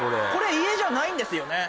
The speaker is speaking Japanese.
家じゃないんですよね。